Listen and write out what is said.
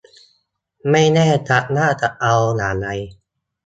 ไม่แน่ชัดว่าจะเอาอย่างไร